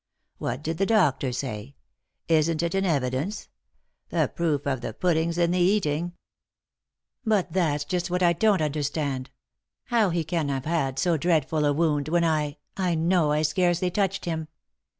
What did the doctor say ? Isn't it in evidence ? The proof of the pudding's in the eating." " But that's just what I don't understand ; how he can have had so dreadful a wound, when I — I know I scarcely touched him."